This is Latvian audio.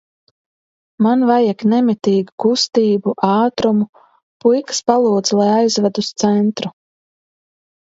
Man vajag nemitīgu kustību, ātrumu. Puikas palūdza, lai aizvedu uz centru.